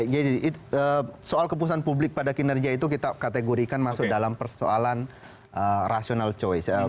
jadi soal kepuasan publik pada kinerja itu kita kategorikan masuk dalam persoalan rational choice